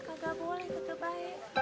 kagak boleh gitu baik